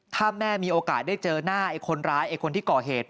ถ้าแม่มีโอกาสได้เจอหน้าไอ้คนร้ายไอ้คนที่ก่อเหตุ